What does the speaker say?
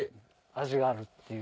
味があるっていう。